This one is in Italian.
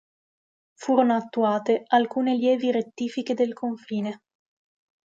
Furono attuate alcune lievi rettifiche del confine.